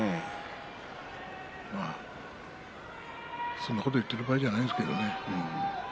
そんなことを言っている場合じゃないんですがね。